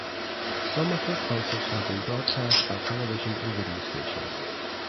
Some of her concerts have been broadcast by television and radio stations.